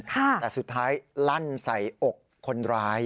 แต่สุดท้ายลั่นใส่อกคนร้าย